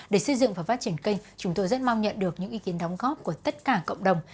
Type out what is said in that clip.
để xây dựng và phát triển kênh chúng tôi rất mong nhận được những ý kiến đóng góp của tất cả cộng đồng